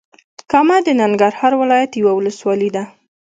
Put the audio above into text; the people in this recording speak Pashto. کامه د ننګرهار ولايت یوه ولسوالې ده.